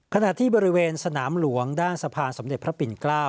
ขณะที่บริเวณสนามหลวงด้านสะพานสมเด็จพระปิ่นเกล้า